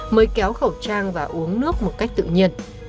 mới kéo khẩu trang và uống nước một cách tự nhiên